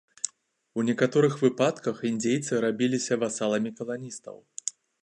У некаторых выпадках індзейцы рабіліся васаламі каланістаў.